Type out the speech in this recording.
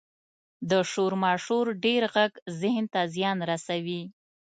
• د شور ماشور ډېر ږغ ذهن ته زیان رسوي.